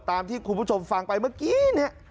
ตามที่คุณผู้ชมฟังไปเมื่อกี้เนี่ย